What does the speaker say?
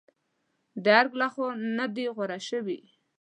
د ارګ لخوا نه دي غوره شوې.